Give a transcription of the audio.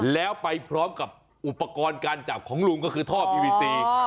แล้วไปพร้อมกับอุปกรณ์การจับของลุงก็คือท่อพีวีซี